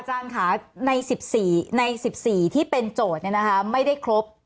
อาจารย์คะใน๑๔ที่เป็นโจทย์ไม่ได้ครบ